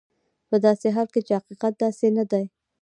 په داسې حال کې چې حقیقت داسې نه دی.